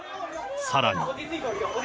さらに。